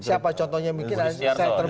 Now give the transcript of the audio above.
siapa contohnya mikir